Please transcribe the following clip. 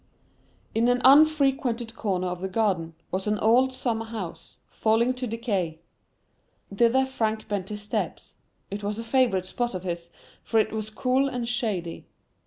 In an unfrequented corner of the garden, was an old summer house, falling to decay. Thither Frank bent his steps; it was a favorite spot of his, for it was cool and shady.